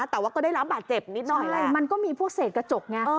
แต่ว่าก็ได้รับบาดเจ็บนิดหน่อยแล้วใช่มันก็มีพวกเศษกระจกไงอ๋อ